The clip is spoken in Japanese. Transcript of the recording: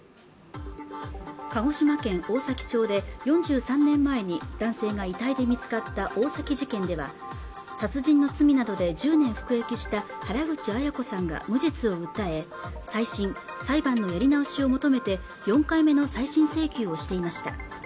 鹿児島県大崎町で４３年前に男性が遺体で見つかった大崎事件では殺人の罪などで１０年服役した原口アヤ子さんが無実を訴え再審・裁判のやり直しを求めて４回目の再審請求をしていました